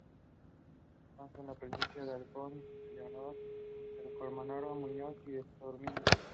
Destaca la presencia del halcón Eleonor, del cormorán moñudo y estorninos.